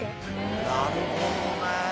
なるほどね。